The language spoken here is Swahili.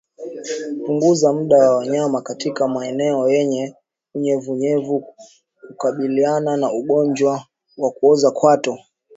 Punguza muda wa wanyama katika maeneo yenye unyevunyevu kukabiliana na ugonjwa wa kuoza kwato